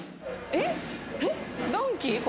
えっ？